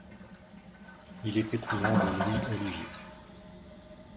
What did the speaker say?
Il était cousin de Louis Olivier.